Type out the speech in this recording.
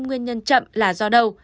nguyên nhân chậm là do đâu